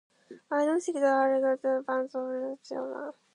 I don't think that I regarded the band as significantly as I should have.